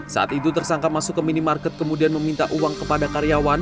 saat itu tersangka masuk ke minimarket kemudian meminta uang kepada karyawan